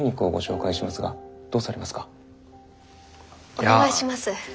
お願いします。